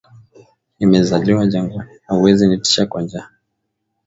nime zaliwa jangwani hauwezi nitisha kwa nja